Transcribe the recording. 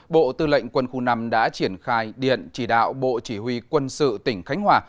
bộ tư lệnh quân khu năm đã triển khai điện chỉ đạo bộ chỉ huy quân sự tỉnh khánh hòa